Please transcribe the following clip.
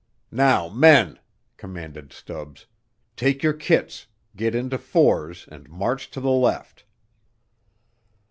"Now, men," commanded Stubbs, "take your kits, get into fours and march to the left."